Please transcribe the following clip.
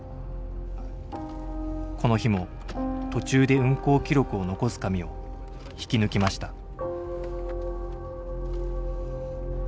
この日も途中で運行記録を残す紙を引き抜きました。